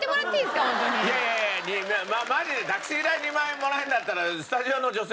いやいやいやマジでタクシー代２万円もらえるんだったらスタジオの女性